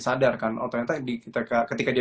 sadar kan otomatah ketika dia